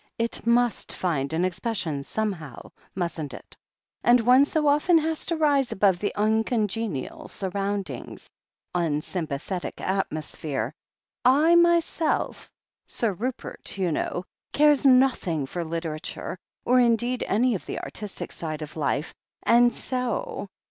It must find expression somehow, mustn't it — and one so often has to rise above uncongenial surrotmdings — ^unsympathetic atmo sphere. ... I myself ... Sir Rupert, you know — cares nothing for literature, or indeed any of the artistic side of life, and so